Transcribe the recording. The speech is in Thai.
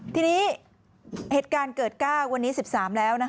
ทีนี้เหตุการณ์เกิด๙วันนี้๑๓แล้ว